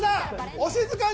お静かに！